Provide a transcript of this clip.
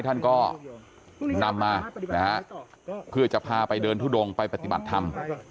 ท่านก็นำมานะฮะเพื่อจะพาไปเดินทุดงไปปฏิบัติธรรม